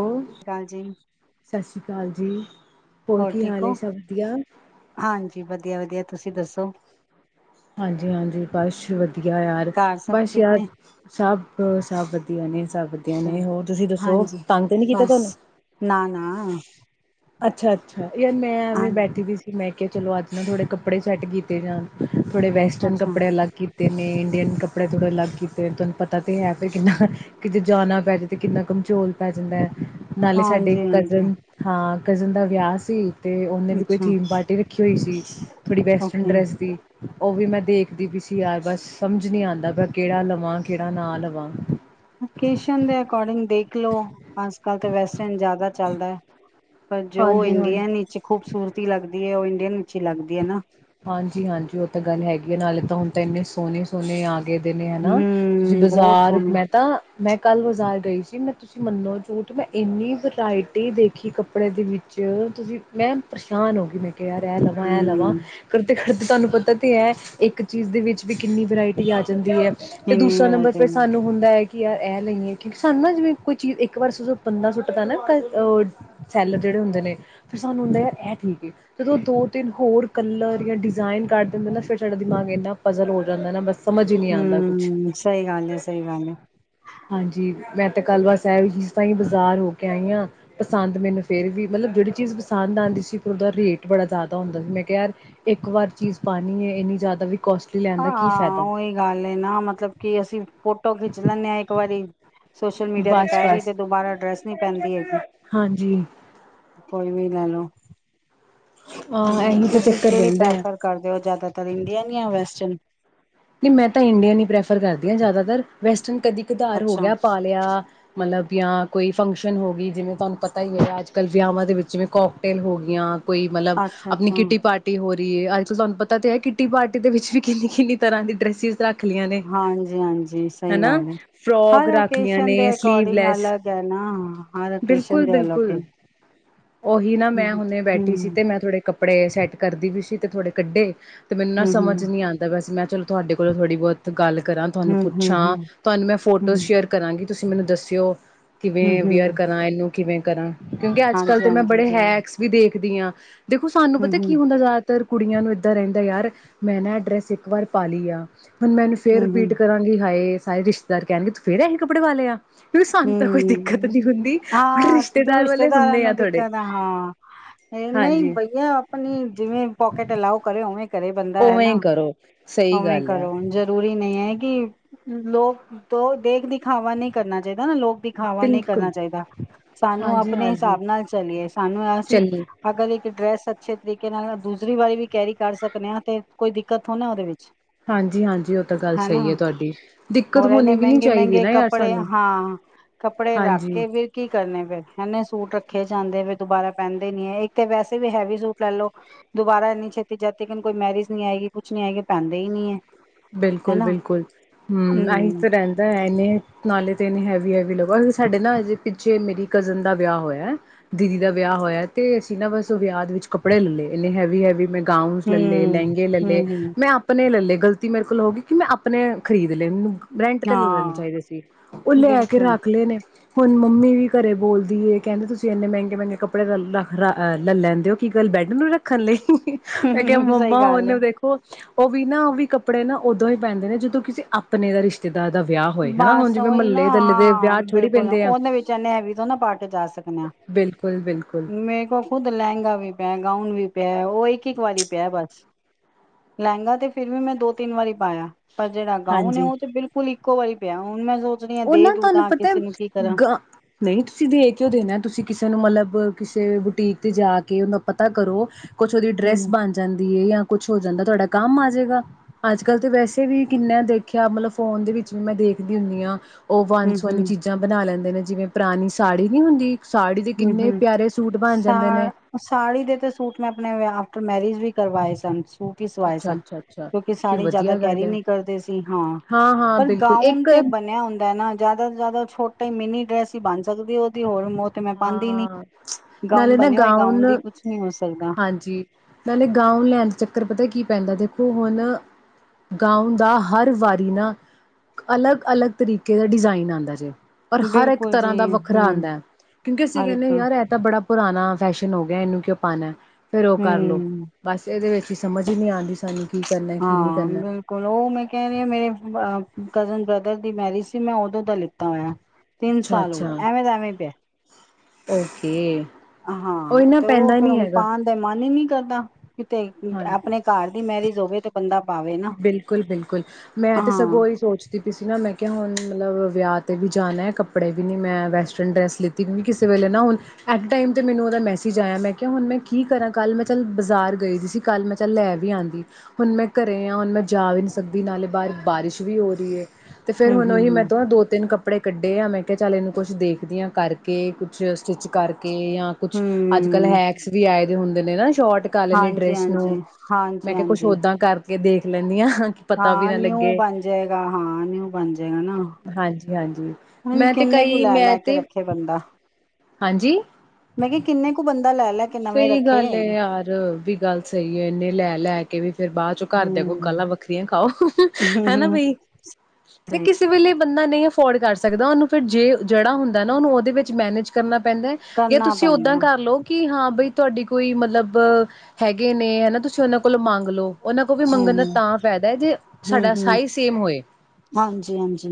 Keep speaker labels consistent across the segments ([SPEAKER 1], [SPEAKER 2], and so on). [SPEAKER 1] Hello ਸਤਿ ਸ਼੍ਰੀ ਅਕਾਲ ਜੀ।
[SPEAKER 2] ਹੋਰ
[SPEAKER 1] ਕੀ
[SPEAKER 2] ਠੀਕ
[SPEAKER 1] ਹਾਲ ਹੈ
[SPEAKER 2] ਹੋ
[SPEAKER 1] ਸਭ ਵਧੀਆ
[SPEAKER 2] ਹਾਂਜੀ ਵਧੀਆ-ਵਧੀਆ। ਤੁਸੀਂ ਦੱਸੋ
[SPEAKER 1] ਹਾਂਜੀ-ਹਾਂਜੀ ਬਸ ਵਧੀਆ ਯਾਰ
[SPEAKER 2] ਘਰ ਸਭ
[SPEAKER 1] ਬਸ
[SPEAKER 2] ਠੀਕ
[SPEAKER 1] ਯਾਰ
[SPEAKER 2] ਨੇ?
[SPEAKER 1] ਸਭ-ਸਭ ਵਧੀਆ ਨੇ ਸਭ ਵਧੀਆ
[SPEAKER 2] ਅੱਛਾ,
[SPEAKER 1] ਨੇ ਹੋਰ ਤੁਸੀਂ ਦੱਸੋ
[SPEAKER 2] ਹਾਂਜੀ
[SPEAKER 1] ਤੰਗ ਤੇ ਨੀ ਕੀਤਾ
[SPEAKER 2] ਬਸ
[SPEAKER 1] ਤੁਹਾਨੂੰ।
[SPEAKER 2] ਨਾ ਨਾ
[SPEAKER 1] ਅੱਛਾ-ਅੱਛਾ। ਯਾਰ ਮੈਂ
[SPEAKER 2] ਹਾਂ
[SPEAKER 1] ਐਵੇਂ ਬੈਠੀ ਦੀ ਸੀ ਮੈਂ ਕਿ ਚਲੋ ਅੱਜ ਨਾ ਥੋੜੇ ਕੱਪੜੇ ਸੈੱਟ ਕੀਤੇ ਜਾਣ। ਥੋੜੇ ਵੈਸਟਰਨ
[SPEAKER 2] ਅੱਛਾ
[SPEAKER 1] ਕੱਪੜੇ ਅਲੱਗ ਕੀ ਅਤੇ ਨੈਂ ਇੰਡੀਅਨ ਕੱਪੜੇ ਥੋੜ੍ਹੇ ਅਲੱਗ ਕੀਤੇ ਨੇ ਤੁਹਾਨੂੰ ਪਤਾ ਤਾਂ ਹੈ ਫਿਰ ਕਿੰਨਾ ਕਿਤੇੇ ਜਾਣਾ ਪੈ ਜਾਵੇ ਤਾਂ ਕਿੰਨਾ ਕਮਜ਼ੋਲ ਪੈ ਜਾਂਦਾ ਹੈ ਨਾਲੇ ਸਾਡੇ
[SPEAKER 2] ਹਾਂਜੀ ਹਾਂਜੀ
[SPEAKER 1] ਕਜ਼ਨ ਹਾਂ। ਕਜ਼ਨ ਦਾ ਵਿਆਹ ਸੀ। ਅਤੇ ਉਹਨੇ ਵੀ ਕੋਈ
[SPEAKER 2] ਅੱਛਾ
[SPEAKER 1] ਥੀਮ ਪਾਰਟੀ ਰੱਖੀ ਹੋਈ ਸੀ ਥੋੜ੍ਹੀ ਵੈਸਟਰਨ
[SPEAKER 2] ਓਕੇ
[SPEAKER 1] ਡਰੈਸ ਦੀ ਉਹ ਵੀ ਮੈਂ ਦੇਖਦੀ ਵੀ ਸੀ ਯਾਰ ਬਸ ਸਮਝ ਨਹੀਂ ਆਉਂਦਾ ਪ ਕਿਹੜਾ ਲਵਾਂ ਕਿਹੜਾ ਨਾ ਲਵਾਂ।
[SPEAKER 2] ਓਕੇਸ਼ਨ ਦੇ ਅਕੋਰਡਿੰਗ ਦੇਖ ਲਓ ਅੱਜ ਕੱਲ ਤੇ ਵੈਸਟਰਨ ਜਿਆਦਾ ਚੱਲਦਾ। ਪਰ ਜੋ
[SPEAKER 1] ਹਾਂਜੀ-ਹਾਂਜੀ
[SPEAKER 2] ਇੰਡੀਅਨ ਵਿੱਚ ਖੂਬਸੂਰਤੀ ਲੱਗਦੀ। ਉਹ ਇੰਡੀਅਨ ਹੀ ਲੱਗਦੀ ਹੈ ਨਾ
[SPEAKER 1] ਹਾਂਜੀ-ਹਾਂਜੀ ਉਹ ਤਾਂ ਗੱਲ ਹੈਗੀ ਆ ਨਾਲੇ ਤਾਂ ਹੁਣ ਨੇ ਸੋਹਣੇ ਸੋਹਣੇ ਆ ਗੇ ਦੇ ਨੇ ਹਨਾ ਤੁਸੀਂ
[SPEAKER 2] ਹਮ ਬਹੁਤ
[SPEAKER 1] ਬਾਜ਼ਾਰ
[SPEAKER 2] ਸੋਹਣੇ
[SPEAKER 1] ਮੈਂ ਤਾਂ ਮੈਂ ਕੱਲ੍ਹ ਬਾਜ਼ਾਰ ਗਈ ਸੀ ਮੈਂ ਤੁਸੀਂ ਮੰਨੋ ਝੂਠ ਮੈਂ ਇੰਨੀ ਵਰਾਇਟੀ ਦੇਖੀ ਕੱਪੜੇ ਦੇ ਵਿੱਚ ਤੁਸੀਂ ਮੈਂ ਪਰੇਸ਼ਾਨ ਹੋ ਗਈ ਮੈਂ ਕਿਹਾਹਿ ਰਿਹਾ। ਮੈਂ ਇ ਲਵਾ
[SPEAKER 2] ਹਮ
[SPEAKER 1] ਕਰਤੇ ਕਰਤੇ ਤੁਹਾਨੂੰ ਪਤਾ ਤਾਂ ਹੈ ਇੱਕ ਚੀਜ਼ ਦੇ ਵਿੱਚ ਵੀ ਕਿੰਨੀ ਵਰਾਇਟੀ ਆ ਜਾਂਦੀ ਹੈ। ਤੇ
[SPEAKER 2] ਕਿੰਨੀ
[SPEAKER 1] ਦੂਸਰਾ ਨੰਬਰ
[SPEAKER 2] ਵਰਾਇਟੀ
[SPEAKER 1] ਫਿਰ ਸਾਨੂੰ ਹੁੰਦਾ ਏ। ਕਿ ਯਾਰ ਇਹ ਲਈਏ ਕਿਉਂਕਿ ਸਾਨੂੰ ਨਾ ਜਿਵੇਂ ਕੋਈ ਚੀਜ਼ ਇੱਕ ਵਾਰ ਪੰਦਰਾਂ ਸੁਟਦਾ ਨਾ ਸੈਲਰ ਜਿਹੜੇ ਹੁੰਦੇ ਨੇ ਫਿਰ ਸਾਨੂੰ ਹੁੰਦਾ ਆ ਇਹ ਠੀਕ ਜਦੋਂ ਦੋ ਤਿੰਨ ਹੋਰ ਕਲਰ ਜਾਂ ਡਿਜ਼ਾਇਨ ਕੱਢ ਦਿੰਦੇ ਨਾ ਫਿਰ ਸਾਡਾ ਦਿਮਾਗ ਇੰਨਾ ਪਜ਼ਲ ਹੋ ਜਾਂਦਾ ਨਾ ਬ
[SPEAKER 2] ਹੂੰ ਸਹੀ ਗੱਲ ਏ ਸਹੀ ਗੱਲ ਏ।
[SPEAKER 1] ਹਾਂਜੀ ਮੈਂ ਤਾਂ ਕੱਲ੍ਹ ਬਸਹਿ ਜਿਸ ਤ ਹੀ ਬਾਜ਼ਾਰ ਹੋ ਕੇ ਆਈ ਹਾਂ ਪਸੰਦ ਮੈਨੂੰ ਫੇਰ ਵੀ ਮਤਲਬ ਜਿਹੜੀ ਚੀਜ਼ ਪਸੰਦ ਆਉਂਦੀ ਸੀ ਫਿਰ ਉਹਦਾ ਰੇਟ ਬੜਾ ਜ਼ਿਆਦਾ ਪ ਹੁੰਦਾ ਸੀ ਮੈਂ ਕਿਹਾ ਯਾਰ ਇੱਕ ਵਾਰ ਚੀਜ਼ ਪਾਉਣੀ ਹੈ ਇੰਨੀ ਜ਼ਿਆਦਾ ਵੀ ਕੋਸਟਲੀ ਲੈਣ ਦਾ ਕੀ
[SPEAKER 2] ਹਾਂ
[SPEAKER 1] ਫਾਇਦਾ
[SPEAKER 2] ਉਹੀ ਗੱਲ ਨਾ ਮਤਲਬ ਕਿ ਅਸੀਂ ਫੋਟੋ ਖਿੱਚ ਲੈਂਦੇ ਹਾਂ ਇੱਕ ਵਾਰੀ ਸੋਸ਼ਲ ਮੀਡੀਆ ਤੇ
[SPEAKER 1] ਬਸ
[SPEAKER 2] ਪੈ ਗਈ
[SPEAKER 1] ਬਸ
[SPEAKER 2] ਤੇ ਦੁਬਾਰਾ ਅਡਰੈਸ ਨਹੀਂੀ ਪੈਂਦੀ ਹੈਗੀ।
[SPEAKER 1] ਹਾਂਜੀ
[SPEAKER 2] ਕੋਈ ਵੀ ਲੈ ਲੋ।
[SPEAKER 1] ਹਾਂ
[SPEAKER 2] ਹੂੰ
[SPEAKER 1] ਇਹੀ ਤਾਂ
[SPEAKER 2] ਤੁਸੀਂ
[SPEAKER 1] ਚੱਕਰ
[SPEAKER 2] ਕਿਹੜੀ
[SPEAKER 1] ਰਹਿੰਦਾ ਆ
[SPEAKER 2] ਪ੍ਰੈਫਰ ਕਰਦੇ ਹੋ ਜ਼ਿਆਦਾ ਇੰਡੀਅਨ ਜਾਂ ਵੈਸਟਰਨ
[SPEAKER 1] ਨਹੀਂ ਮੈਂ ਤਾਂ ਇੰਡੀਅਨ ਹੀ ਪ੍ਰੈਫਰ ਕਰਦੀ ਹਾਂ ਜ਼ਿਆਦਾਤਰ ਵੈਸਟਰਨ ਕਦੀ ਕਧਾਰ ਹੋ
[SPEAKER 2] ਅੱਛਾ
[SPEAKER 1] ਗਿਆ ਪਾ ਲਿਆ ਮਤਲਬ ਜਾਂ ਕੋਈ ਫੰਕਸ਼ਨ ਹੋ ਗਈ ਜਿਵੇਂ ਤੁਹਾਨੂੰ ਪਤਾ ਹੀ ਹੈ ਅੱਜ ਕੱਲ੍ਹ ਵਿਆਹਾਂ ਦੇ ਵਿੱਚ ਜਿਵੇਂ ਕੋਕਟੇਲ ਹੋ ਗਈਆਂ। ਕੋਈ ਮਤਲਬ
[SPEAKER 2] ਅੱਛਾ
[SPEAKER 1] ਆਪਣੀ
[SPEAKER 2] ਅੱਛਾ
[SPEAKER 1] ਕਿੱਟੀ ਪਾਰਟੀ ਹੋ ਏ ਅੱਜਕਲ ਤੁਹਾਨੂੰ ਪਤਾ ਤਾਂ ਹੈ ਕਿੱਟੀ ਪਾਰਟੀ ਦੇ ਵਿੱਚ ਵੀ ਕਿੰਨੀ ਕਿੰਨੀ ਤਰ੍ਹਾਂ ਦੀ ਡਰੈਸਿਸ ਲਈਆਂ ਨੇ
[SPEAKER 2] ਹਾਂਜੀ -ਹਾਂਜੀ ਸਹੀ
[SPEAKER 1] ਹਨਾ
[SPEAKER 2] ਗੱਲ ਹੈ
[SPEAKER 1] ਫਰੋਕ
[SPEAKER 2] ਹਰ
[SPEAKER 1] ਰੱਖ ਲਈਆਂ
[SPEAKER 2] ਓਕੇਸ਼ਨ
[SPEAKER 1] ਨੇ
[SPEAKER 2] ਦੇ ਅਕੋਡਿੰਗ
[SPEAKER 1] ਸਲੀਵਲੈਸ
[SPEAKER 2] ਅਲਗ ਹੈ ਨਾ ਹਰ ਓਕੇਸਨ
[SPEAKER 1] ਬਿਲਕੁਲ
[SPEAKER 2] ਦੇ ਅਲੋ
[SPEAKER 1] ਬਿਲਕੁਲ ਉਹੀ ਨਾ ਮੈਂ ਹੁਨੇ ਬੈਠੀ ਸੀ ਤੇ ਮੈਂ ਥੋੜੇ ਕੱਪੜੇ ਸੈੱਟ ਕਰਦੀ ਵੀ ਸੀ। ਤੇ ਥੋੜੇ ਕੱਢੇ, ਤੇ ਮੈਨੂੰ ਸਮਝ
[SPEAKER 2] ਹਮ
[SPEAKER 1] ਨ ਨਹੀਂ, ਆਂਦਾ ਵੈਸ ਮੈਂ ਚਲੋ ਤੁਹਾਡੇ ਕੋਲੋਂ ਥੋੜੀ ਬਹੁਤ ਗੱਲ ਕਰਾਂ ਤੁਹਾਨੂੰ
[SPEAKER 2] ਹਮ ਹਮ
[SPEAKER 1] ਪੁੱਛਾਂ
[SPEAKER 2] ਹਮ
[SPEAKER 1] ਤੁਹਾਨੂੰ ਮੈਂ
[SPEAKER 2] ਹਮ
[SPEAKER 1] ਫੋਟੋਜ਼ ਸ਼ੇਅਰ ਕਰਾਂ ਤੁਸੀਂ ਮੈਨੂੰ ਦੱਸਿਓ ਕਿਵੇਂ
[SPEAKER 2] ਹਮ
[SPEAKER 1] ਅਵੇਅਰ
[SPEAKER 2] ਹਮ
[SPEAKER 1] ਕਰਾਂ ਇਹਨੂੰ ਕਿਵੇਂ ਕਰਾਂ ਕਿਉਂਕਿ ਅੱਜ ਕੱਲ੍ਹ
[SPEAKER 2] ਹਾਂਜੀ
[SPEAKER 1] ਤੇ ਮੈਂ
[SPEAKER 2] ਹਾਂਜੀ
[SPEAKER 1] ਬੜੇ
[SPEAKER 2] ਜ਼ਰੂਰ
[SPEAKER 1] ਹੈਕਸ ਵੀ ਦੇਖ ਰਖਦੀਆਂ ਦੇਖੋ ਸਾਨੂੰ
[SPEAKER 2] ਹਮ
[SPEAKER 1] ਪਤਾ ਕੀ
[SPEAKER 2] ਹਮ
[SPEAKER 1] ਹੁੰਦਾ ਯ ਤਰ ਕੁੜੀਆਂ ਨੂੰ ਇੱਦਾਂ ਰਹਿੰਦਾ ਯਾਰ ਮੈਂ ਨਾ ਐਡਰੈਸ ਇੱਕ ਵਾਰ ਪਾਲੀ ਆ ਹੁਣ ਮੈਨੂੰ ਫੇਰ
[SPEAKER 2] ਹਮ
[SPEAKER 1] ਰਿਪੀਟ
[SPEAKER 2] ਹਮ
[SPEAKER 1] ਕਰਾਂਗੀ ਹਾਏ, ਸਾਰੇ ਰਿਸ਼ਤੇਦਾਰਹਿਣਗੇ ਤੂੰ ਫੇਰ ਇਹਂ ਕੱਪੜੇ ਪਾਲਿਆ
[SPEAKER 2] ਹੂੰ,
[SPEAKER 1] ਬਟ
[SPEAKER 2] ਹਾਂ
[SPEAKER 1] ਰਿਸ਼ਤੇਦਾਰ ਵਾਲੇ
[SPEAKER 2] ਰਿਸ਼ਤੇਦਾਰਾਂ
[SPEAKER 1] ਹੁੰਦੇ
[SPEAKER 2] ਨੂੰ
[SPEAKER 1] ਥੋੜੇ
[SPEAKER 2] ਦਿੱਕਤ ਆ ਹਾਂ ਨਹੀਂ
[SPEAKER 1] ਹਾਂਜੀ
[SPEAKER 2] ਬਈਆ, ਆਪਣੀ ਜਿਵੇਂ ਪੋਕਿਟ ਅਲਾਓ ਕਰਿ ਉਵੇਂ ਕਰੇ ਬੰਦਾ
[SPEAKER 1] ਉਵੇਂ
[SPEAKER 2] ਹਨਾ
[SPEAKER 1] ਹੀ ਕਰੋ, ਸਹੀ
[SPEAKER 2] ਉਵੇਂ
[SPEAKER 1] ਗੱਲ ਆ
[SPEAKER 2] ਕਰੋ ਜ਼ਰੂਰੀ ਨਹੀਂ ਹੈ, ਕਿ ਲੋਕ ਦੇਖ ਦਿਖਾਵਾ ਨਹੀਂ ਕਰਨਾ ਚ ਨਾ ਲੋਕ ਦਿਖਾਵਾ ਨਹੀਂ
[SPEAKER 1] ਬਿਲਕੁਲ
[SPEAKER 2] ਕਰਨਾ ਚਾਹੀਦਾ, ਸਾਨੂੰ
[SPEAKER 1] ਹਾਂਜੀ
[SPEAKER 2] ਆਪਣੇ
[SPEAKER 1] ਹਾਂਜੀ
[SPEAKER 2] ਹਿਸਾਬ ਨਾਲ ਚਲੀਏ ਸਾਨੂੰ ਐਸੀਂ
[SPEAKER 1] ਚੱਲੀ
[SPEAKER 2] ਅਗਰ ਇੱਕ ਡਰੈਸ ਅੱਛੇ ਤਰੀਕੇ ਨਾਲ ਦੂਸਰੀ ਵਾਰੀ ਵੀ ਕੈਰੀ ਕਰ ਸਕਦੇ ਹਾਂ ਤੇ ਕੋਈ ਦਿੱਕਤ ਹੋ ਨਾ ਉਹਦੇ ਵਿੱਚ
[SPEAKER 1] ਹਾਂਜੀ ਹਾਂਜੀ, ਉਹ ਤਾਂ ਗੱਲ
[SPEAKER 2] ਹਨਾ
[SPEAKER 1] ਸਹੀ ਹੈ ਤੁਹਾਡੀ ਦਿੱਕਤ
[SPEAKER 2] ਹੋਰ ਇਹਨੇ
[SPEAKER 1] ਹੋਣੀ ਵੀ ਨੀ ਚਾਹੀਦੀ
[SPEAKER 2] ਮਹਿੰਗੇ-ਮਹਿੰਗੇ
[SPEAKER 1] ਨਾ ਯਾਰ
[SPEAKER 2] ਕੱਪੜੇ
[SPEAKER 1] ਸਾਨੂੰ
[SPEAKER 2] ਹਾਂ, ਕੱਪੜੇ ਰੱਖ
[SPEAKER 1] ਹਾਂਜੀ
[SPEAKER 2] ਕੇ ਫਿਰ ਕੀ ਕਰਨੇ ਫਿਰ ਹਨੇ ਸੂਟ ਰੱਖ ਰਖੇ ਜਾਂਦੇ ਵੀ ਦੁਬਾਰਾ ਪੈਂਨਦੇ ਨੀ ਹੈ ਇੱਕ ਤਾਂ ਵੈਸੇ ਵੀ ਹੈਵੀ ਸੂਟ ਲੈ ਲੋ ਦੁਬਾਰਾ ਇੰਨੀ ਛੇਤੀ ਜਾਤੀਨ ਕੋਈ ਮੈਰਿਜ ਨੀ ਆਏਗੀ ਕੁਛ ਨੀ ਹੈਏਗੀ ਪੈਂਦੇ ਹੀ ਨੀ ਹੈ
[SPEAKER 1] ਬਿਲਕੁਲ
[SPEAKER 2] ਹਨਾ
[SPEAKER 1] ਬਿਲਕੁਲ ਹਮ ਇਹੀ
[SPEAKER 2] ਹੂੰ
[SPEAKER 1] ਤਾਂ ਰਹਿੰਦਾ ਹੈ ਇੰਨੇ ਨਾਲੇ ਤਿੰਨ ਹੈਵੀ ਹੈਵੀ ਲ ਸਾਡੇ ਨਾ ਹਜੇ ਪਿੱਛੇ ਮੇਰੀ ਕਜ਼ਨ ਦਾ ਵਿਆਹ ਹੋਇਆ ਦੀਦੀ ਦਾ ਵਿਆਹ ਹੋਇਆ ਤੇ ਅਸੀਂ ਨਾ ਬਸ ਵਿਆਹ ਵਿੱਚ ਕੱਪੜੇ ਲੈ ਲਏ ਇੰਨੇ ਹੈਵੀ ਹੈਵੀ ਮੈਂ ਗਾਊਨਸ ਲੈ ਲਏ
[SPEAKER 2] ਹੂੰ
[SPEAKER 1] ਲਹਿੰਗੇ ਲੈ ਲਏ
[SPEAKER 2] ਹੂੰ-ਹੂੰ
[SPEAKER 1] ਮੈਂ ਆਪਣੇ ਲੈ ਲੇ ਮੇਰੇ ਕੋਲ ਹੋ ਗਈ ਕਿ ਮੈਂ ਆਪਣੇ ਖਰੀਦ ਲੈ ਮੈਨੂੰ ਰੈਂਟ ਤੇ ਲੈ ਲੈਣੇ
[SPEAKER 2] ਹਾਂ
[SPEAKER 1] ਚਾਹੀਦੇ ਸੀ, ਉਹ ਲੈ ਕੇ
[SPEAKER 2] ਬਿਲਕੁਲ
[SPEAKER 1] ਰੱਖ ਲਏ ਨੇ ਹੁਣ ਮੰਮੀ ਵੀ ਘਰੇ ਬੋਲਦੀ ਏ ਕਹਿੰਦੇ ਤੁਸੀਂ ਇੰਨੇ ਮਹਿੰਗੇ ਮਹਿੰਗੇ ਕੱਪੜੇ ਰੱਖ ਲੈ ਲੈਂਦੇ ਹੋ ਕੀ ਗੱਲ ਬੈਡ ਨੂੰ ਵੀ ਰੱਖਣ ਲਈ ਮੈਂ ਕਿਹਾ ਮੰਮਾ
[SPEAKER 2] ਸਹੀ ਗੱਲ ਹੈ
[SPEAKER 1] ਉਹਨੂੰ ਦੇਖੋ ਉਹ ਵੀ ਨਾ ਉਹ ਵੀ ਕੱਪੜੇ ਨਾ ਉਦੋਂ ਹੀ ਪੈਂਦੇ ਨੇ ਜਦੋਂ ਕਿਸੇ ਆਪਣੇ ਦਾ ਰਿਸ਼ਤੇ
[SPEAKER 2] ਬਸ ਉਹੀ ਨਾ,
[SPEAKER 1] ਦੇ
[SPEAKER 2] ਹਾਂ
[SPEAKER 1] ਵਿਆਹ ਥੋੜ੍ਹੀ
[SPEAKER 2] ਬਿਲਕੁਲ
[SPEAKER 1] ਪੈਂਦੇ ਆ
[SPEAKER 2] ਉਹਦੇ ਵਿੱਚ ਆਨੇ ਵੀ ਤੋਂ ਨਾ ਪਾ ਕੇ ਜਾ ਸਕਦੇ ਆ
[SPEAKER 1] ਬਿਲਕੁਲ ਬਿਲਕੁਲ
[SPEAKER 2] ਮੇਰੇ ਕੋਲ ਖੁਦ ਲਹਿੰਗਾ ਵੀ ਪਿਆ ਗਾਊਨ ਵੀ ਪਿਆ ਉਹ ਇੱਕ ਇੱਕ ਵਾਰੀ ਪਿਆ ਬਸ ਲਹਿੰਗਾ ਤੇ ਫਿਰ ਵੀ ਮੈਂ ਦੋ ਤਿੰਨ ਵਾਰੀ ਪਾਇਆ ਪਰ ਜਿਹੜਾ ਗਾਉਨ ਨੇ
[SPEAKER 1] ਹਾਂਜੀ
[SPEAKER 2] ਉਹ ਤੇ ਬਿਲਕੁਲ ਇੱਕ ਸਹੀ ਪਿਆ ਆਂ।
[SPEAKER 1] ਉਹ ਨਾ ਤੁਹਾਨੂੰ ਪਤਾ
[SPEAKER 2] ਕਰਾਂ
[SPEAKER 1] ਗ ਨਹੀਂ ਤੁਸੀਂ ਦੇ ਕਿਉਂ ਦੇਨਾ ਤੁਸੀਂ ਕਿਸੇ ਨੂੰ ਮਤਲਬ ਕਿਸੇ ਬੁਟੀਕ ਤੇ ਜਾ ਕੇ ਓਂਦਾ ਪਤਾ ਕਰੋ। ਕੁਛ ਉਹਦੀ ਡਰੈਸ
[SPEAKER 2] ਹਮ
[SPEAKER 1] ਬਨ ਜਾਂਦੀ ਹੈ ਯਾ ਕੁਛ ਹੋ ਜਾਂਦਾ ਤੁਹਾਡਾ ਕੰਮ ਆ ਜੇਗਾ, ਅੱਜ ਕੱਲ੍ਹ ਤਾਂ ਵੈਸੇ ਵੀ ਕਿੰਨਾ ਦੇਖਿਆ ਮਤਲਬ ਫੋਨ ਦੇ ਵਿੱਚ ਵੀ ਮੈਂ ਦੇਖਦੀ ਹੁੰਦੀ ਆਂ। ਉਹ ਵਨ
[SPEAKER 2] ਹਮ
[SPEAKER 1] ਸਵਨੀ
[SPEAKER 2] ਹਮ
[SPEAKER 1] ਚੀਜ਼ਾਂ ਬਣਾ ਲੈਂ ਦੇ ਨੇ, ਜਿਵੇਂ ਪੁਰਾਣੀ ਸਾੜੀ ਨੀ ਹੁੰਦੀ। ਸਾੜੀ ਦੇ ਕਿੰਨੇ
[SPEAKER 2] ਹੂੰ-ਹੂੰ,
[SPEAKER 1] ਪਿਆਰੇ ਸੂਟ ਬਣ
[SPEAKER 2] ਸਾ
[SPEAKER 1] ਜਾਂਦੇ ਨੇ
[SPEAKER 2] ਸਾੜੀ ਦੇ ਤੇ ਸੂਟ ਮੈਂ ਆਪਨੇ ਵਿਆਹ ਤੇ ਮੈਰਿਜ ਵੀ ਕਰਵਾਏ ਸਨ। ਸੂਟ ਹੀ ਸਵਾਏ
[SPEAKER 1] ਅੱਛਾ
[SPEAKER 2] ਸਨ
[SPEAKER 1] ਅੱਛਾ ਅੱਛਾ
[SPEAKER 2] ਕਿਉਂਕਿ
[SPEAKER 1] ਕਿ
[SPEAKER 2] ਸਾੜੀ ਜ਼ਿਆਦਾ
[SPEAKER 1] ਵਧੀਆ ਗੱਲ
[SPEAKER 2] ਕੈਰੀ
[SPEAKER 1] ਹੈ
[SPEAKER 2] ਨ ਕਰਦੇ ਸੀ, ਹਾਂ
[SPEAKER 1] ਹਾਂ
[SPEAKER 2] ਪਰ
[SPEAKER 1] ਬਿਲਕੁਲ
[SPEAKER 2] ਗਾਊਨ
[SPEAKER 1] ਇੱਕ
[SPEAKER 2] ਤੇ ਬਣਿਆ ਹੁੰਦਾ ਨਾ ਜ਼ਿਆਦਾ ਤੋਂ ਜ਼ਿਆਦਾ ਛੋਟ ਮਿੰਨੀ ਡਰੈਸ ਹੀ ਬਣ ਸਕਦੀ ਉਹਦੀ ਹੋਰ ਮੋਹ ਤੇ ਮੈਂ ਪਾਉਂਦੀ ਨੀ
[SPEAKER 1] ਹਾਂ
[SPEAKER 2] ਗਾਊਨ
[SPEAKER 1] ਨਾਲੇ ਨਾ
[SPEAKER 2] ਬਣੇ ਹੋਏ
[SPEAKER 1] ਗਾਊਨ
[SPEAKER 2] ਦੀ ਕੁਛ ਨੀ ਹੋ ਸਕਦਾ
[SPEAKER 1] ਹਾਂਜੀ ਨਾਲੇ ਗਾਊਨ ਲੈਨ ਦੇ ਚੱਕਰ ਪਤਾ ਕੀ ਪੈਂਦਾ ਦੇਖੋ ਹੁਨ ਗਾਊਨ ਦਾ ਹਰ ਵਾਰੀ ਨਾ ਅਲੱਗ-ਅਲੱਗ ਤਰੀਕੇ ਦਾ ਡਿਜ਼ਾਇਨ ਆਂਦਾ ਜੇ। ਔਰ ਹਰ ਇੱਕ
[SPEAKER 2] ਬਿਲਕੁਲ
[SPEAKER 1] ਤਰ੍ਹਾਂ
[SPEAKER 2] ਜੀ
[SPEAKER 1] ਦਾ ਵੱਖਰਾ ਆਂਦਾ
[SPEAKER 2] ਹਮ
[SPEAKER 1] ਐ। ਕਿਉਂਕਿ ਅਸੀਂ
[SPEAKER 2] ਹਰ
[SPEAKER 1] ਕਹਿੰਦੇ
[SPEAKER 2] ਇੱਕ
[SPEAKER 1] ਯਾਰ ਇਹ ਤਾਂ ਬੜਾ ਪੁਰਾਨਾ ਫੈਸ਼ਨ ਹੋ ਗਿਆ, ਇਹਨੂੰ ਕਿਉਂ ਪਾਨਾ ਐ? ਫਿਰ ਉਹ ਕਰ ਲਓ,
[SPEAKER 2] ਹਮ
[SPEAKER 1] ਬਸ ਇਹਦੇ ਵਿੱਚ ਸਮਝ ਹੀ ਨਹੀਂ ਆਂਦੀ ਸਾਨੂੰ ਕਿ
[SPEAKER 2] ਹਾਂ, ਬਿਲਕੁਲ ਉਹ ਮੈਂ ਕਹਿ ਰਹੀ ਆ ਮੇਰੇ ਅ ਕਜ਼ਨ ਬ੍ਰਦਰ ਦੀ ਮੈਰੀਜ਼ ਸੀ ਮੈਂ ਉਦੋਂ ਦਾ ਲਿਤਾ ਹੋਇਆ। ਤਿੰਨ ਸਾਲ ਹੋ ਗਏ
[SPEAKER 1] ਅੱਛਾ-ਅੱਛਾ
[SPEAKER 2] ਐਵੇਂ ਦਾ ਐਵੇਂ ਪਿਆ।
[SPEAKER 1] ਓਕੇ। ਉਹੀ
[SPEAKER 2] ਹਾਂ
[SPEAKER 1] ਨਾ
[SPEAKER 2] ਤੇ ਉਹ
[SPEAKER 1] ਪੈਂਦਾ
[SPEAKER 2] ਫਿਰ
[SPEAKER 1] ਨੀ
[SPEAKER 2] ਹੁਨ
[SPEAKER 1] ਹੈਗਾ
[SPEAKER 2] ਪਾਨ ਦਾ ਮਨ ਹੀ ਨਹੀਂ ਕਰਦਾ। ਕਿਤੇ
[SPEAKER 1] ਹਾਂਜੀ,
[SPEAKER 2] ਆਪਣੇ ਘਰ ਦੀ ਮੈਰਿਜ ਹੋਵੇ ਤੇ ਬੰਦਾ ਪਾਵੇ ਨਾ
[SPEAKER 1] ਬਿਲਕੁਲ-ਬਿਲਕੁਲ, ਮੈਂ
[SPEAKER 2] ਹਾਂ
[SPEAKER 1] ਤੇ ਸਗੋਂ ਏਹੀ ਸੋਚਦੀ ਪਈ ਸੀ ਨਾ ਮੈਂ ਕੇ ਹੁਨ ਮਤਲਬ ਵਿਆਹ ਤੇ ਵੀ ਜਾਨਾ ਐ, ਕੱਪੜੇ ਵੀ ਨਹੀਂ ਮੈਂ ਵੈਸਟਰਨ ਡ੍ਰੇਸ ਲਿਤੀ, ਕਿਉਂਕਿ ਕਿਸੇ ਵੇਲੇ ਨਾ ਹੁਣ ਐਟ ਏ ਟਾਈਮ ਤੇ ਮੈਨੂੰ ਉਹਦਾ ਮੈਸੇਜ ਆਇਆ, ਮੈਂ ਕਿਹਾ ਹੁਨ ਮੈਂ ਕੀ ਕਰਾਂ ਕੱਲ ਮੈਂ ਚੱਲ ਬਾਜ਼ਾਰ ਗਈ ਦੀ ਸੀ। ਤੇ ਕੱਲ੍ਹ ਮੈਂ ਚੱਲ ਲੈ ਵੀ ਆਂਦੀ, ਹੁਣ ਮੈਂ ਘਰੇ ਆਂ ਹੁਣ ਮੈਂ ਜਾ ਵੀ ਨਹੀਂ ਸਕਦੀ ਨਾਲੇ ਬਾਹਰ ਬਾਰਿਸ਼ ਵੀ ਹੋ ਰੀ ਏ। ਤੇ ਫੇਰ
[SPEAKER 2] ਹਮ
[SPEAKER 1] ਹੁਨ
[SPEAKER 2] ਹਮ
[SPEAKER 1] ਉਹੀ ਮੈਂ
[SPEAKER 2] ਹਮ
[SPEAKER 1] ਤੋਂ ਦੋ ਤਨ ਕੱਪ ਕੱਪੜੇ ਕੱਢੇ ਆ ਮੈਂ ਕਿਹਾ ਚੱਲ ਇਹਨੂੰ ਕੁਛ ਦੇਖਦੀ ਆਂ ਕਰਕੇ ਕੁਛ ਸਟਿੱਚ ਕਰਕੇ ਕੇ ਆਂ ਕੁੱਛ, ਅੱਜ ਕੱਲ੍ਹ
[SPEAKER 2] ਹਮ
[SPEAKER 1] ਹੈਕਸ ਵੀ ਆਏ ਦੇ ਹੁੰਦੇ। [unintelligible] ਸ਼ੋਰਟ ਕਰ ਲੈਂਨੀ ਆਂ
[SPEAKER 2] ਹਾਂਜੀ
[SPEAKER 1] ਡ੍ਰੇਸ। ਨੂੰ
[SPEAKER 2] ਹਾਂਜੀ ਹਾਂਜੀ
[SPEAKER 1] ਮੈਂ ਕਿਹਾ ਕੁੱਛ
[SPEAKER 2] ਹਾਂਜੀ
[SPEAKER 1] ਓਦਾਂ ਕਰ ਕੇ ਦੇਖ ਲੈਂਦੀ ਹਾਂ। ਕਿ ਪਤਾ ਵੀ
[SPEAKER 2] ਹਾਂ
[SPEAKER 1] ਨਾ
[SPEAKER 2] ।ਨਿਊ
[SPEAKER 1] ਲੱਗੇ
[SPEAKER 2] ਬਣ ਜਾਏਗਾ ਹਾਂ, ਨਿਊ ਬਣ ਜਾਏਗਾ ਨਾ
[SPEAKER 1] ਹਾਂਜੀ ਹਾਂਜੀ
[SPEAKER 2] ਹੁਣ
[SPEAKER 1] ਮੈਂ ਤੇ
[SPEAKER 2] ਕਿੰਨੇ ਕੁ
[SPEAKER 1] ਕਈ
[SPEAKER 2] ਲੈ
[SPEAKER 1] ਮੈਂ
[SPEAKER 2] ਲੈ ਕੇ
[SPEAKER 1] ਤੇ
[SPEAKER 2] ਰੱਖੇ ਬੰਦਾ,
[SPEAKER 1] ਹਾਂਜੀ
[SPEAKER 2] ਮੈਂ ਕਿਹਾ ਕਿੰਨੇ ਕੁ ਬੰਦਾ ਲੈ ਲੈ ਕੇ ਨਵੇਂ
[SPEAKER 1] ਸਹੀ
[SPEAKER 2] ਰੱਖੇ
[SPEAKER 1] ਗੱਲ ਹੈ ਯਾਰ, ਵੀ ਗੱਲ ਸਹੀ ਹੈ ਇਹਨੇ ਲੈ ਲੈ ਕੇ ਵੀ ਫੇਰ ਬਾਅਦ ਚੋਂ ਘਰਦਿਆਂ ਕੋਈ
[SPEAKER 2] ਹਮ
[SPEAKER 1] ਗੱਲਾਂ ਵੱਖਰੀਆਂ ਖਾਓ ਹਨਾ। ਬਈ ਤੇ ਕਿਸੇ ਵੇਲੇ ਬੰਦਾ ਨਹੀਂ ਅਫੋਰਡ ਕਰ ਸਕਦਾ, ਉਹਨੂੰ ਫਿਰ ਜੇ ਜਿਹੜਾ ਹੁੰਦਾ ਨਾ ਉਹਨੂੰ ਉਹਦੇ ਵਿੱਚ ਮੈਨੇਜ ਕਰਨਾ ਪੈਂਦਾ ਜੇ ਫਿਰ,
[SPEAKER 2] ਕਰਨਾ
[SPEAKER 1] ਤੁਸੀਂ ਓਦਾਂ
[SPEAKER 2] ਪੈਂਦਾ
[SPEAKER 1] ਕਰ ਲਓ ਕਿ ਹਾਂ ਬਈ ਤੁਹਾਡੀ ਕੋਈ, ਮਤਲਬ ਹੈਗੇ ਨੇ ਹਨਾ ਤੁਸੀਂ ਉਹਨਾਂ ਕੋਲੋਂ ਮੰਗ ਲੋਓ ਉਹਨਾਂ ਕੋਲ ਵੀ ਮੰਗਣ
[SPEAKER 2] ਹਮ
[SPEAKER 1] ਦਾ ਤਾਂ ਫਾਇਦਾ ਹੈ। ਜੇ
[SPEAKER 2] ਹਮ
[SPEAKER 1] ਸਾਡਾ
[SPEAKER 2] ਹਮ
[SPEAKER 1] ਸਾਈਜ਼ ਸੇਮ ਹੋਏ
[SPEAKER 2] ਹਾਂਜੀ ਹਾਂਜੀ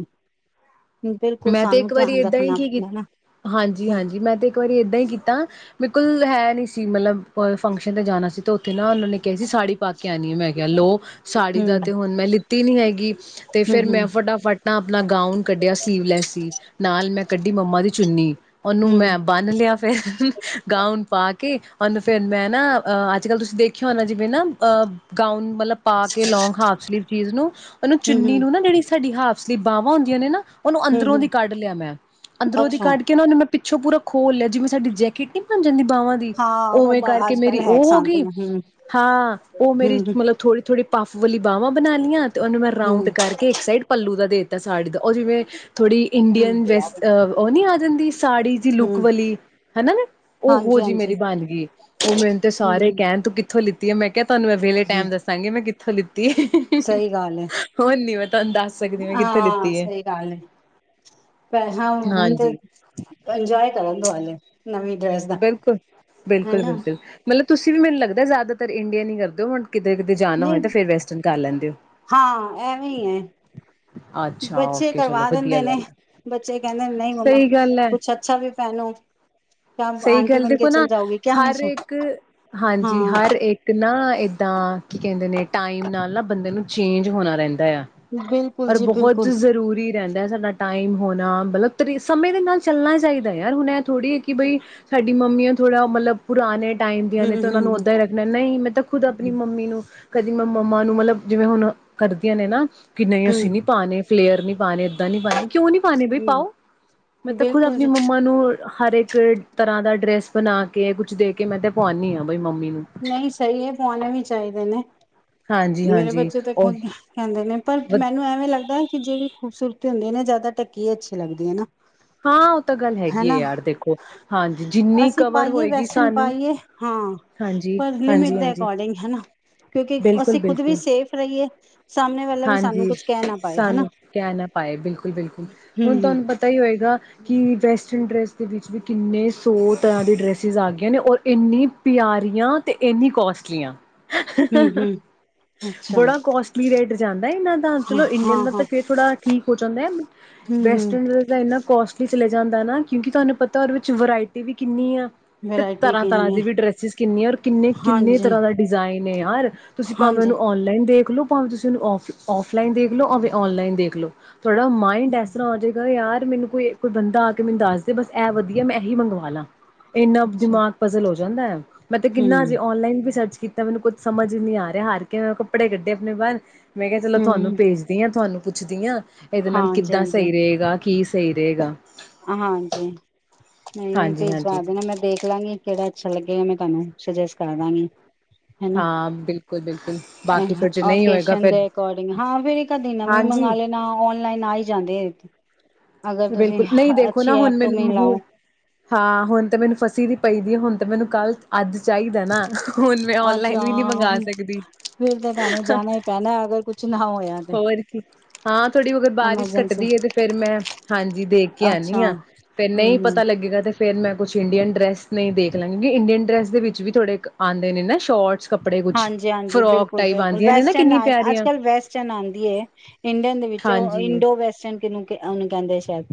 [SPEAKER 2] ਬਿਲਕੁਲ
[SPEAKER 1] ਮੈਂ ਤੇ
[SPEAKER 2] ਸਾਨੂੰ
[SPEAKER 1] ਇੱਕ ਵਾਰੀ
[SPEAKER 2] ਧਿਆਨ
[SPEAKER 1] ਏਦਾਂ ਹੀ
[SPEAKER 2] ਰੱਖਣਾ
[SPEAKER 1] ਕੀ
[SPEAKER 2] ਪੈਂਦਾ ਨਾ
[SPEAKER 1] ਕੀਤਾ ਹਾਂਜੀ ਹਾਂਜੀ ਮੈਂ ਤੇ ਇੱਕ ਵਾਰੀ ਏਦਾਂ ਹੀ ਕੀਤਾ ਬਿਲਕੁਲ ਹੈ ਨਹੀਂ ਸੀ, ਮਤਲਬ ਕੋਈ ਫੰਕਸ਼ਨ ਤੇ ਜਾਣਾ ਸੀ, ਤੇ ਨਾ ਉਹਨਾਂ ਨੇ ਕਿਹਾ ਸੀ, ਸਾੜੀ ਪਾ ਕੇ ਆਉਣੀ ਹੈ ਮੈਂ ਕਿਹਾ ਲੋ, ਸਾੜੀ ਦਾ
[SPEAKER 2] ਹਮ
[SPEAKER 1] ਤੇ ਹੁਣ ਮੈਂ ਲਿੱਤੀ ਨੀ ਹੈਗੀ ਤੇ ਫੇਰ
[SPEAKER 2] ਹਮ
[SPEAKER 1] ਮੈਂ
[SPEAKER 2] ਹਮ
[SPEAKER 1] ਫਟਾਫਟ ਆਪਣਾ ਗਾਊਨ ਕੱਢਿਆ ਸ ਸੀਵ ਲੈਸ ਸੀ। ਨਾਲ ਮੈਂ ਕੱਢੀ ਮੰਮਾ ਦੀ ਚੁੰਨੀ ਉਹਨੂੰ
[SPEAKER 2] ਹਮ
[SPEAKER 1] ਮੈਂ ਬੰਨ ਲਿਆ ਫੇਿਰ ਗਾਊਨ ਪਾ ਕੇ ਉਹਨੂੰ ਫੇਰ ਮੈਂ ਨਾ, ਅ ਅੱਜ ਕੱਲ੍ਹ ਤੁਸੀਂ ਦੇਖਿਆ ਹੋ ਨਾ ਜਿਵੇਂ ਨਾ ਅ ਗਾਊਨ ਮਤਲਬ ਪਾ ਕੇ ਲੌਂਗ ਹਾਫ ਸਲੀਵ ਚੀਜ਼ ਨੂੰ ਉਹਨੂੰ
[SPEAKER 2] ਹਮ
[SPEAKER 1] ਚੁੰਨੀ
[SPEAKER 2] ਹਮ
[SPEAKER 1] ਨੂੰ ਨਾ ਜਿਹੜੀ ਸਾਡੀ ਹਾਫਸਲੀ ਬਾਹਵਾਂ ਹੁੰਦੀਆਂ ਨੇ ਨਾ ਉਹਨੂੰ
[SPEAKER 2] ਹਮ
[SPEAKER 1] ਅੰਦਰੋਂ ਦੀ
[SPEAKER 2] ਹਮ
[SPEAKER 1] ਕੱਢ ਲਿਆ ਮੈਂ ਅੰਦਰੋਂ ਦੀ
[SPEAKER 2] ਅੱਛਾ
[SPEAKER 1] ਕੱਢ ਕੇ ਉਹਨੂੰ ਮੈਂ ਪਿੱਛੋਂ ਪੂਰਾ ਖੋਲ ਲਿਆ ਜਿਵੇਂ ਸਾਡੀ ਜੈਕਟ ਨਹੀਂ ਬਣ ਜਾਂਦੀ ਬਾਵਾਂ ਦੀ
[SPEAKER 2] ਹਾਂ
[SPEAKER 1] ਉਵੇਂ
[SPEAKER 2] ਉਹ
[SPEAKER 1] ਕਰਕੇ
[SPEAKER 2] ਅੱਜ ਕੱਲ
[SPEAKER 1] ਮੇਰੀ
[SPEAKER 2] ਹੈ
[SPEAKER 1] ਉਹ ਹੋ
[SPEAKER 2] ਪਸੰਦ
[SPEAKER 1] ਗਈ
[SPEAKER 2] ਨੇ ਹਮ
[SPEAKER 1] ਹਾਂ ਉਹ ਮੇਰੀ
[SPEAKER 2] ਹਮ
[SPEAKER 1] ਮਤਲਬ ਥੋੜੀ, ਥੋੜ੍ਹੀ ਟਾਫ਼ ਵਾਲੀ ਬਾਹਵਾਂ ਬਣਾ ਲਈਆਂ ਤੇ ਉਹਨੂੰ ਮੈਂ
[SPEAKER 2] ਹਮ
[SPEAKER 1] ਰਾਊਂਡ ਕਰਕੇ ਇੱਕ ਸਾਈਡ ਪੱਲੂ ਦਾ ਦੇ ਦਿੱਤਾ ਸਾੜੀ ਦਾ ਉਹ ਜਿਵੇਂ ਥੋੜ੍ਹੀ
[SPEAKER 2] ਹਮ
[SPEAKER 1] ਇੰਡੀਅਨ ਵੈਸਟ ਉਹ ਨੀ ਆ ਜਾਂਦੀ ਸਾੜੀ ਜ ਲੁੱਕ
[SPEAKER 2] ਹਮ
[SPEAKER 1] ਵਾਲੀ ਹਨਾ ਨਾ ਉਹੋ
[SPEAKER 2] ਹਾਂਜੀ
[SPEAKER 1] ਜਿਹੀ ਮੇਰੀ
[SPEAKER 2] ਹਾਂਜੀ
[SPEAKER 1] ਬਣ ਗਈ ਉਹ ਮੈਨੂੰ ਤੇ
[SPEAKER 2] ਹਮ
[SPEAKER 1] ਸਾਰੇ
[SPEAKER 2] ਹਮ
[SPEAKER 1] ਕਹਿਣ ਤੂੰ ਕਿ ਉਥੋਂ ਲਿੱਤੀ ਹੈ। ਮੈਂ ਐ ਤੁਹੂੰ ਮੈਂ ਵਿਹਲੇ ਟਾਈਮ ਦੱਸਾਂਗੀ ਮੈਂ ਕਿ ਸਲਿਪ [unintelligible] ਹੀ, ਹੀ,
[SPEAKER 2] ਸਹੀ ਗੱਲ ਹੈ
[SPEAKER 1] ਹੋਓਣ ਮਤ ਤੁਹਾਨੂੰ ਦੱਸ ਸਕਦੀ ਮੈਂ ਕਿੱਥੇ ਲਿੱਤੀ ਹੈ।
[SPEAKER 2] ਪਾਂ ਹੁਣ ਤੇ
[SPEAKER 1] ਹਾਂਜੀ
[SPEAKER 2] ਇੰਜੋਏ ਕਰਣ [unintelligible] ਕੀ ਹਾਲ ਹੈ
[SPEAKER 1] ਬਿਲਕੁਲ, ਬਿਲਕੁਲ-ਬਿਲਕੁਲ ਮਤਲਬ ਤੁਸੀਂ ਵੀ ਮੈਨੂੰ ਲੱਗਦਾ ਜ਼ਿਆਦਾਤਰ ਇੰਡੀਅਨ ਈ ਕਰਦੇ ਔ ਹੁਣ। ਕਿੱਧਰੇ-ਕਿੱਧਰੇ ਜਾਣਾ
[SPEAKER 2] ਨਹੀਂ
[SPEAKER 1] ਹੋਏ ਤਾਂ ਫਿਰ ਵੈਸਟਰਨ ਕਰ ਲੈਂਦੇ ਔ।
[SPEAKER 2] ਹਾਂ ਐਵੇਂ ਹੀ ਹੈ ਬੱਚੇ ਕਰਵਾ ਦਿੰਦੇ ਨੇ।
[SPEAKER 1] ਹੈ
[SPEAKER 2] ਬੱਚੇ ਕਹਿੰਦੇ ਨੇ ਨਈ ਮੰਮਾ, ਕੁਛ ਅੱਛਾ ਵੀ ਪਾਨੈ।
[SPEAKER 1] ਸਈ ਗੱਲ ਦੇਖੋ ਨਾ ਹਰ
[SPEAKER 2] ਹਮੇਸ਼ਾ
[SPEAKER 1] ਇੱਕ ਹਾਂਜੀ,
[SPEAKER 2] ਹਾਂ
[SPEAKER 1] ਹਰ ਇੱਕ ਨਾ ਏਦਾਂ ਕੀ ਕਹਿੰਦੇ ਨੇ ਟਾਈਮ ਨਾਲ ਨਾ ਬੰਦੇ ਨੂੰ ਚੇਂਜ ਹੋਣਾ ਰਹਿੰਦ ਦਾ
[SPEAKER 2] ਬਿਲਕੁਲ
[SPEAKER 1] ਪਰ
[SPEAKER 2] ਜੀ
[SPEAKER 1] ਬਹੁਤ
[SPEAKER 2] ਬਿਲਕੁਲ
[SPEAKER 1] ਜ਼ਰੂਰੀ ਰਹਿੰਦ ਜੜਾ ਸਾਡਾ ਟਾਈਮ ਹੋਣਾ ਮਤਲਬ ਤਰੀ ਸਮੇਂ ਦੇ ਨਾਲ ਚੱਲਣਾ ਚਾਹੀਦੈ ਯਾਰ। ਹੁਣ ਇਹ ਥੋੜ੍ਹੀ ਕਿ ਬਈ ਸਾਡੀ ਮੰਮੀਆਂ ਥੋੜਾ ਮਤਲਬ ਪੁਰਾਣੇ ਟਾਈਮ ਦੀਆਂ ਨੇ
[SPEAKER 2] ਹਮ
[SPEAKER 1] ਤੇ ਉਹਨਾਂ ਨੂੰ
[SPEAKER 2] ਹਮ
[SPEAKER 1] ਓਦਾਂ ਈ ਰੱਖਣੈ। ਨਈ ਮੈਂ ਤਾਂ ਖੁਦ ਆਪਣੀ ਮੰਮੀ ਨੂੰ ਕਦੀ ਮੈਂ ਮੰਮਾ ਨੂੰ ਮਤਲਬ ਜਿਵੇਂ ਹੁਣ ਕਰਦੀਆਂ ਨੇ ਨਾ ਕਿ ਨਈ
[SPEAKER 2] ਹਮ
[SPEAKER 1] ਅਸੀਂ ਨੀ ਪਾਣੇ ਫਲੇਅਰ ਨਈ ਪਾਣੇ ਏਦਾਂ ਨੀ ਪਾਣੇ, ਕਿਉਂ ਨੀ ਪਾਣੇ ਬਈ
[SPEAKER 2] ਹਮ
[SPEAKER 1] ਪਾਓ, ਮੈਂ ਤਾਂ ਖੁਦ
[SPEAKER 2] ਬਿਲਕੁਲ
[SPEAKER 1] ਆਪਣੀ
[SPEAKER 2] ਜੀ
[SPEAKER 1] ਮੰਮਾ ਨੂੰ ਹਰ ਏਕ ਇੱਕ ਤਰ੍ਹਾਂ ਦਾ ਡਰੈਸ ਬਣਾ ਕੇ ਕੁਛ ਦੇ ਕੇ ਮੈਂ ਤੇ ਪਵਾਉਣੀ ਆਂ।
[SPEAKER 2] ਨਈ ਸਈ ਏ ਪੁਆਣੇ ਵੀ ਚਾਈਦੇ ਨੇ।
[SPEAKER 1] ਹਾਂਜੀ
[SPEAKER 2] ਮੇਰੇ
[SPEAKER 1] ਹਾਂਜੀ
[SPEAKER 2] ਬੱਚੇ ਤੇ
[SPEAKER 1] ਉਹ
[SPEAKER 2] ਖੁੰਦ ਕਹਿੰਦੇ ਨੇ ਪਰ ਮੈਨੂੰ ਐਵੇਂ ਲੱਗਦਾ ਐ ਕਿ ਜੇੜੀ ਖੂਬਸੂਰਤ ਤੇ ਹੁੰਦੀਆਂ ਨੇ ਜ਼ਿਆਦਾ ਢੱਕੀ ਅੱਛੀ ਲੱਗਦੀ ਏ ਨਾ।
[SPEAKER 1] ਹਾਂ ਉਹ ਤਾਂ ਗੱਲ ਹੈਗੀ ਏ
[SPEAKER 2] ਹਨਾ
[SPEAKER 1] ਯਾਰ ਦੇਖੋ। ਹਾਂਜੀ ਜਿੰਨੀ
[SPEAKER 2] ਅਸੀਂ
[SPEAKER 1] ਕਵਰ
[SPEAKER 2] ਪਾਈਏ
[SPEAKER 1] ਹੋਏਗੀ
[SPEAKER 2] ਵੈਸਟਰਨ
[SPEAKER 1] ਸਾਨੂੰ
[SPEAKER 2] ਪਾਈਏ ਹਾਂ
[SPEAKER 1] ਹਾਂਜੀ,
[SPEAKER 2] ਪਰ ਲਿਮਿਟ ਦੇ
[SPEAKER 1] ਹਾਂਜੀ-ਹਾਂਜੀ
[SPEAKER 2] ਅਕੋਰਡਿੰਗ ਹਨਾ ਕਿਉਂਕਿ
[SPEAKER 1] ਬਿਲਕੁਲ
[SPEAKER 2] ਅਸੀਂ ਖੁਦ ਵੀ
[SPEAKER 1] ਬਿਲਕੁਲ
[SPEAKER 2] ਸੇਫ ਰਈਏ
[SPEAKER 1] ਹਾਂਜੀ ਸਾਨੂੰ ਕਹਿ ਨਾ ਪਾਏ ਬਿਲਕੁਲ-ਬਿਲਕੁਲ। ਹੁਣ
[SPEAKER 2] ਹੂੰ,
[SPEAKER 1] ਤੁਹਾਨੂੰ ਪਤਾ ਈ ਹੋਏਗਾ ਕਿ ਵੈਸਟਰਨ ਡਰੈਸ ਦੇ ਵਿੱਚ ਵੀ ਕਿੰਨੇ ਸੌ ਤਰ੍ਹਾਂ ਦੀ ਡ੍ਰੈਸਿਸ ਆ ਗਈਆਂ ਨੇ ਔਰ ਇੰਨੀ ਪਿਆਰੀਆਂ ਤੇ ਇਨੀ ਕੋਸਟਲੀਆਂ
[SPEAKER 2] ਹੂੰ-ਹੂੰ, ਅੱਛਾ
[SPEAKER 1] ਬੜਾ ਕੋਸਟਲੀ ਰੇਟ ਨਈ ਇੰਨਾਂ ਦਾਨ, ਚਲੋ ਇੰਡੀਅਨ ਦਾ
[SPEAKER 2] ਹਾਂ-ਹਾਂ,
[SPEAKER 1] ਤਾਂ ਫੇਰ ਥੋੜਾ ਠੀਕ ਹੋ ਜਾਂਦੈ
[SPEAKER 2] ਹੂੰ-ਹੂੰ।
[SPEAKER 1] ਵੈਸਟਰਨ ਡਿਜ਼ਾਇਨਾਂ ਕੋਸਟਲੀ ਚਲੇ ਜਾਂਦੈ ਨਾ ਕਿਉਂਕਿ ਤੁਆਨੂੰ ਪਤਾ ਉਹਦੇ ਵਿੱਚ ਵਰਾਇਟੀ ਵੀ ਕਿੰਨੀ ਆ। ਤੇ
[SPEAKER 2] ਵਰਾਇਟੀ
[SPEAKER 1] ਤਰ੍ਹਾਂ-ਤਰ੍ਹਾਂ
[SPEAKER 2] ਕਿੰਨੀ ਏ,
[SPEAKER 1] ਦੀ ਵੀ ਡਰੈਸਿਸ ਕਿੰਨੀਆਂ ਔਰ ਕਿੰਨੇ-ਕਿੰਨੇ ਤਰ੍ਹਾਂ
[SPEAKER 2] ਹਾਂਜੀ-ਹਾਂਜੀ,
[SPEAKER 1] ਦਾ ਡਿਜ਼ਾਇਨ ਏ ਯਾਰ ਤੁਸੀਂ ਭਾਵੇਂ ਉਹਨੂੰ ਔਨਲਾਈਨ ਦੇਖ ਕਲੋਂ ਪਾਵ ਤੁਸ [unintelligible] ਔਫ ਔਫਲਾਈਨ ਦੇਖ ਲੋ ਐਂਦੇ ਔਨਲਾਈਨ ਦੇਖ ਲੋ। ਤੁਆਡਾ ਮਾਇੰਡ ਐਸਰ੍ਹਾਂ ਹੋ ਜਾਏਗਾ ਯਾਰ ਮੈਨੂੰ ਕੋਈ ਕੋਈ ਬੰਦਾ ਆ ਕੇ ਮੈਨੂੰ ਦੱਸ ਦੇ ਬਸ ਇਹ ਵਧੀਆ ਮੈਂ ਇਹੀ ਮੰਗਵਾ ਲਾਂ ਇੰਨਾ
[SPEAKER 2] ਅੱਛਾ
[SPEAKER 1] ਦਿਮਾਗ ਪਜ਼ਲ ਹੋ ਜਾਂਦਾ ਹੈ ਮੈਂ ਤੇ ਕਿੰਨਾ
[SPEAKER 2] ਹੂੰ।
[SPEAKER 1] ਅਜੇ ਔਨਲਾਈਨ ਵੀ ਸਰਚ ਕੀਤਾ ਮੈਨੂੰ ਕੁੱਝ ਸਮਝ ਹੀ ਨਹੀਂੀ ਆ ਰਿਹਾ ਹਾਰ ਕੇ ਮੈਂ ਕੱਪੜੇ ਕੱਢੇ ਆਪਣੇ ਬਾਹਰ ਮੈਂ ਕਿਹਾ ਚਲੋ ਤੁਹਾਨੂੰ
[SPEAKER 2] ਹੂੰ,
[SPEAKER 1] ਭੇਜਦੀ ਹਾਂ ਤੁਹਾਨੂੰ ਪੁੱਛਦੀ ਹਾਂ ਇਹਦੇ ਨਾਲ ਕਿੱਦਾਂ
[SPEAKER 2] ਹਾਂਜੀ-ਹਾਂਜੀ।
[SPEAKER 1] ਸਹੀ ਰਹੇਗਾ ਕੀ ਸਹੀ ਰਹੇਗਾ
[SPEAKER 2] ਹਾਂਜੀੀ ਨਹੀਂ ਨਹੀਂ
[SPEAKER 1] ਹਾਂਜੀ
[SPEAKER 2] ਤੇਜਵਾ
[SPEAKER 1] ਹਾਂਜੀ
[SPEAKER 2] ਦੇ ਨਾ ਮੈਂ ਦੇਖ ਲਾਂਗੀ ਕਿਹੜਾ ਅੱਛਾ ਲੱਗੇਗਾ ਮੈੂੰ ਤੁਾਨੂੰ ਸੁਜੈਸਟ ਕਰਦਾਂਗੀ ਹਨਾ
[SPEAKER 1] ਹਾਂ ਬਿਲਕੁਲ ਬਿਲਕੁਲ ਬਾਕੀ ਫਿਰ ਜੇ ਨਹੀਂ
[SPEAKER 2] ਓਕੇ
[SPEAKER 1] ਹੋਏਗਾ ਫਿਰ
[SPEAKER 2] ਦੇ ਅਕੋਰਡਿੰਗ ਹਾਂ ਫੇਿਰ ਇੱਕਦੀ ਨਵੀਂ ਮੰਗ
[SPEAKER 1] ਹਾਂਜੀ
[SPEAKER 2] ਲੈਣਾ ਓਨਲਾਈਨ ਆਈ ਜਾਂਦੇ ਆ ਅਗਰ ਤੁਸੀਂ
[SPEAKER 1] ਬਿਲਕੁਲ ਨਹੀਂ ਦੇਖੋ ਨਾ
[SPEAKER 2] ਅੱਛੀ ਐਪ
[SPEAKER 1] ਹੁਣ
[SPEAKER 2] ਤੋਂ
[SPEAKER 1] ਮੈਨੂੰ
[SPEAKER 2] ਮਿਲਾਓ
[SPEAKER 1] ਹ ਹਾਂ ਹੁਣ ਤਾਂ ਮੈਨੂੰ ਫਸੀ ਦੀ ਪਈਦੀ ਹੈ ਹੁਣ ਤੇ ਮੈਨੂੰ ਕੱਲ੍ਹ ਅੱਜ ਚਾਹੀਦਾ ਨਾ ਹੁਣ ਮੈਂ ਔਨਲਾਈਨ
[SPEAKER 2] ਅੱਛਾ
[SPEAKER 1] ਵੀ ਨਹੀਂੀ ਮੰਗਵਾ ਸਕਦੀ
[SPEAKER 2] ਫਿਰ ਤਾਂ ਤੁਹਾਨੂੰ ਜਾਣਾ ਈ ਪੈਣਾ ਅਗਰ ਕੁਛ ਨਾ ਹੋਇਆ ਤੇ
[SPEAKER 1] ਹੋਰ ਕੀ ਹਾਂ ਥੋੜੀ ਅਗਰ ਬਾਰਿਸ਼
[SPEAKER 2] ਐਮਰਜੈਂਸੀ
[SPEAKER 1] ਘੱਟਦੀ ਹੈ ਤੇ ਫੇਿਰ ਮੈਂ ਹਾਂਜੀ ਦੇਖ ਕੇ ਆਉਦੀ
[SPEAKER 2] ਅੱਛਾ,
[SPEAKER 1] ਹ ਫੇਰ ਨਹੀਂ
[SPEAKER 2] ਹੂੰ-ਹੂੰ।
[SPEAKER 1] ਪਤਾ ਲੱਗੇਗਾ ਤੇ ਫੇਰ ਮੈਂ ਕੁਛ ਇੰਡੀਅਨ ਡਰੈਸ ਨਹੀਂ ਦੇਖ ਲਾਂ ਕਿਉਂਕਿ ਇੰਡੀਅਨ ਡਰੈਸ ਦੇ ਵਿੱਚ ਵੀ ਥੋੜੇ ਕ ਆਉਂਦੇ ਨੇ ਨਾ ਸ਼ੋਰਟਸ ਕੱਪੜੇ ਕੁਛ
[SPEAKER 2] ਹਾਂਜੀ ਹਾਂਜੀ
[SPEAKER 1] ਫਰੋਕ
[SPEAKER 2] ਬਿਲਕੁਲ
[SPEAKER 1] ਟਾਈਪ
[SPEAKER 2] ਬਿਲਕੁਲ
[SPEAKER 1] ਆਉਂਦੀਆਂ ਨੇ ਨਾ
[SPEAKER 2] ਵੈਸਟਰਨ
[SPEAKER 1] ਕਿੰਨੀ
[SPEAKER 2] ਅੱਜ
[SPEAKER 1] ਪਿਆਰੀਆਂ
[SPEAKER 2] ਕੱਲ ਵੈਸਟਰਨ ਆਉਂਦੀ ਹੈ ਇੰਡੀਅਨ ਦੇ ਵਿੱਚ ਉਹ
[SPEAKER 1] ਹਾਂਜੀ
[SPEAKER 2] ਇੰਡੋ ਵੈਸਟਰਨ ਕਿਹਨੂੰ ਉਹਨੂੰ ਕਹਿੰਦੇ ਸ਼ਾਇਦ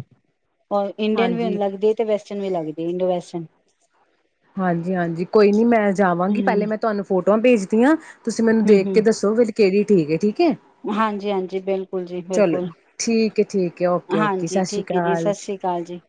[SPEAKER 2] ਔਰ ਇੰਡੀਅਨ ਵੀ
[SPEAKER 1] ਹਾਂਜੀ
[SPEAKER 2] ਲਗਦੀ ਤੇ ਵੈਸਟਰਨ ਵੀ ਲਗਦੀ ਇੰਦੋਵੇਸਟਨ
[SPEAKER 1] ਹਾਂਜੀ ਹਾਂਜੀ ਕੋਈ ਨੀ ਮੈਂ ਜਾਵਾਂਗੀ
[SPEAKER 2] ਹੂੰ,
[SPEAKER 1] ਪਹਿਲੇ ਮੈਂ ਤੁਹਾਨੂੰ ਫੋਟੋਆਂ ਭੇਜ ਤਆਂ [inaudible] ਤੁਸੀਂ ਮੈਨੂੰ ਦੇਖ ਕੇ ਦੱਸੋ ਫੇਰ ਕਿਹੜੀ ਠੀਕ ਏ ਜੀ
[SPEAKER 2] ਹਾਂਜੀ ਹਾਂਜੀ ਬਿਲਕੁਲ ਜੀ
[SPEAKER 1] ਚਲੋ
[SPEAKER 2] ਬਿਲਕੁਲ
[SPEAKER 1] ਠੀਕ ਹੈ ਠੀਕ ਹੈ ਓਕੇ ਓਕੇ
[SPEAKER 2] ਹਾਂਜੀ
[SPEAKER 1] ਸਤਿ ਸ਼੍ਰੀ
[SPEAKER 2] ਠੀਕ ਹੈ ਜੀ
[SPEAKER 1] ਅਕਾਲ
[SPEAKER 2] ਸਤਿ ਸ੍ਰੀ ਅਕਾਲ ਜੀ